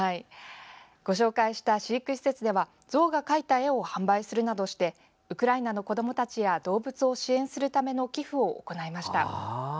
ご紹介した飼育施設ではゾウが描いた絵を販売するなどしてウクライナの子どもたちや動物を支援するための寄付を行いました。